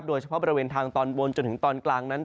โดยเฉพาะบริเวณทางตอนบนจนถึงตอนกลางนั้น